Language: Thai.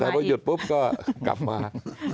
แต่พอหยุดปุ๊บก็กลับมา